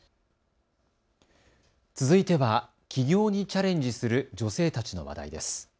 続いては起業にチャレンジする女性たちの話題です。